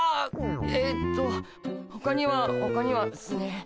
えっとほかにはほかにはっすね